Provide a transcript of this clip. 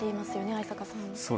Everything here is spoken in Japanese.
逢坂さん。